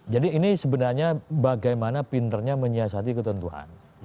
jadi ini sebenarnya bagaimana pinternya menyiasati ketentuan